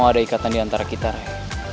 gue mau ada ikatan diantara kita ray